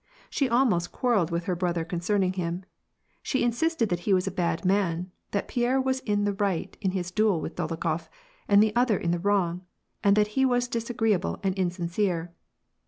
She almost quarrelled with her brother concerning him. She insisted that he was a bad man, that Pierre was in the right in his duel with Dol okhof, and the other in the wrong ; and that he was disagree able and insincere.